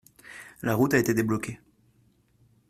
La route a été débloquée.